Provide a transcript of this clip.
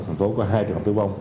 thành phố có hai trường hợp tử vong